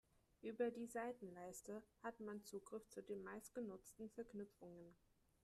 Über die Seitenleiste hat man Zugriff zu den meistgenutzten Verknüpfungen.